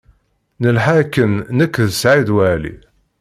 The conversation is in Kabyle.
Nelḥa akken nekk d Saɛid Waɛli.